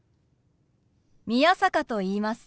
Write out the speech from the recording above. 宮坂と言います。